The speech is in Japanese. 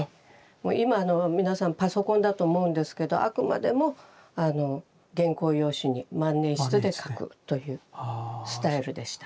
今皆さんパソコンだと思うんですけどあくまでも原稿用紙に万年筆で書くというスタイルでした。